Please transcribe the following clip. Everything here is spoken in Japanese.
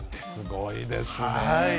すごいですね。